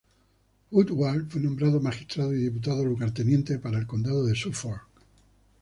Woodward fue nombrado magistrado y diputado-lugarteniente para el condado de Suffolk.